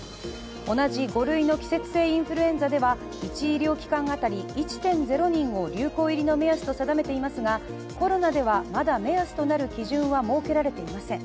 同じ５類の季節性インフルエンザでは１医療機関当たり１．０人を流行入りの目安と定めていますが、コロナでは、まだ目安となる基準は設けられていません。